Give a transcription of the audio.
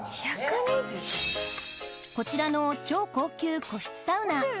こちらの超高級個室サウナ